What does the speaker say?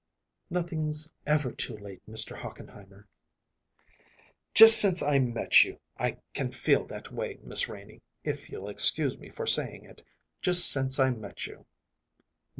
"Nothing's ever too late, Mr. Hochenheimer." "Just since I met you I can feel that way, Miss Renie, if you'll excuse me for saying it just since I met you."